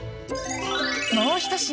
もう一品。